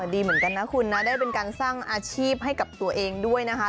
ดีเหมือนกันนะคุณนะได้เป็นการสร้างอาชีพให้กับตัวเองด้วยนะคะ